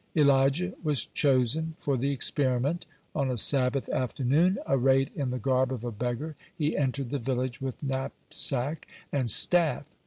Elijah was chosen for the experiment. On a Sabbath afternoon, arrayed in the garb of a beggar, he entered the village with knapsack and staff.